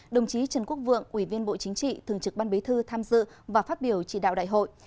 đồng chí trần quốc vượng ủy viên bộ chính trị thường trực ban bế thư tham dự và phát biểu chỉ đạo đại hội